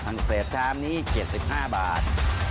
ทั้งเศษชามนี้๗๕บาท